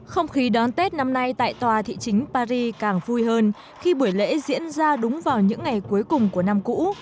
không khí đón tết năm nay tại tòa thị chính paris càng vui hơn khi buổi lễ diễn ra đúng vào những ngày cuối cùng của năm cũ